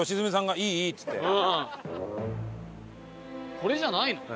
これじゃないの？